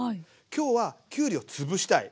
今日はきゅうりを潰したい。